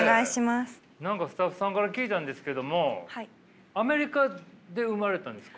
何かスタッフさんから聞いたんですけどもアメリカで生まれたんですか。